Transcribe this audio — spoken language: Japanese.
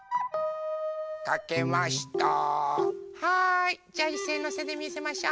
じゃあいっせいのせでみせましょう。